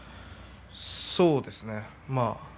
そうですね。